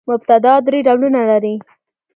مبتداء درې ډولونه لري.